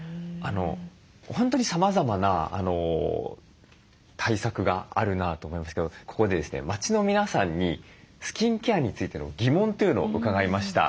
本当にさまざまな対策があるなと思いますけどここでですね街の皆さんにスキンケアについての疑問というのを伺いました。